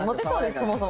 そもそも。